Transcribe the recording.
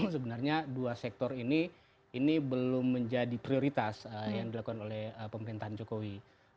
sebenarnya dua sektor ini ini belum menjadi prioritas yang dilakukan oleh pemerintahan jokowi